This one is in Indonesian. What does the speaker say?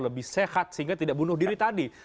lebih sehat sehingga tidak bunuh diri tadi